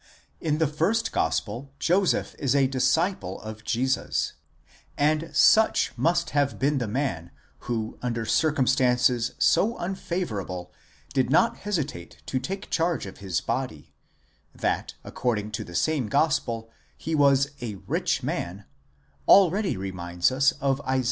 In the first gospel Joseph is a disciple of Jesus—and such must have been the man who under circumstances so unfavourable did not hesitate to take charge of his body ; that, according to the same gospel, he was a χίωξ man ἀνδρῶν πλούσιος already reminds us of Isa.